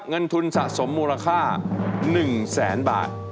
เงินทุนสะสมมูลค่า๑แสนบาท